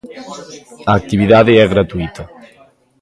A actividade é gratuíta.